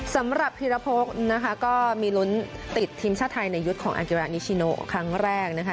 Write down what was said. สำหรับฮิระโพกก็มีลุ้นติดทีมชาติไทยในยุทธ์ของอักยารักษณิชโนครั้งแรก